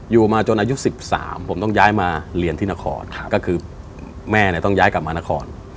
อยู่มาจนอายุ๑๓ผมต้องย้ายมาเรียนที่นครก็คือแม่เนี่ยต้องย้ายกลับมานคร